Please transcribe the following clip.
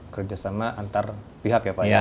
kerjasama antar pihak ya pak ya